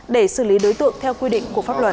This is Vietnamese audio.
để xử lý đối tượng theo quy định của pháp luật